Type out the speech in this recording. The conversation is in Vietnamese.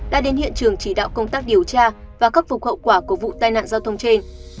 đã đến hiện trường chỉ đạo công tác điều tra và khắc phục hậu quả của vụ tai nạn giao thông trên